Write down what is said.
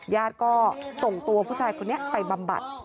ญาติก็ส่งตัวผู้ชายคนนี้ไปบำบัด